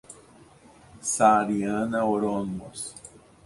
Saariana, oromos